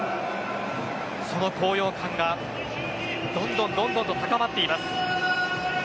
その高揚感がどんどんどんどんと高まっています。